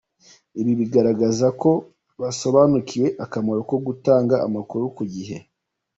Ibi bigaragaza ko basobanukiwe akamaro ko gutanga amakuru ku gihe."